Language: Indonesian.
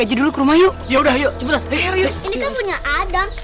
aja dulu ke rumah yuk ya udah yuk cepet leher yuk ini kan punya adam